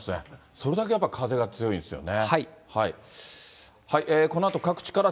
それだけやっぱり風が強いんですね。